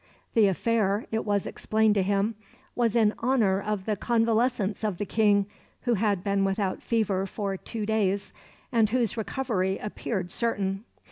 The affair, it was explained to him, was in honour of the convalescence of the King, who had been without fever for two days, and whose recovery appeared certain.